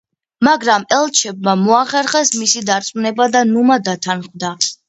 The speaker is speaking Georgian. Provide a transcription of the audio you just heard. მაგრამ ელჩებმა მოახერხეს მისი დარწმუნება და ნუმა დათანხმდა.